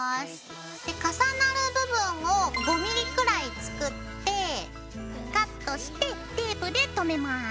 で重なる部分を５ｍｍくらい作ってカットしてテープで留めます。